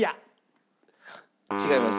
違います。